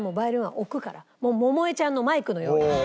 百恵ちゃんのマイクのように。